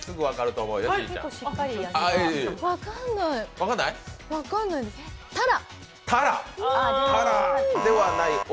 分かんない。